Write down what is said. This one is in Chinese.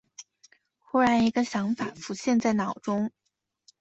忽然一个想法浮现在脑中